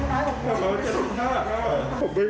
อาการยังไงคุณเดี๋ยวแม่คุณเดี๋ยวแม่คุณเดี๋ยว